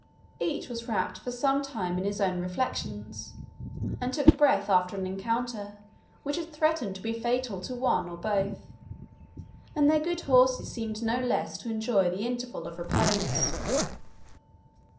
Each was wrapt for some time in his own reflections, and took breath after an encounter which had threatened to be fatal to one or both; and their good horses seemed no less to enjoy the interval of repose.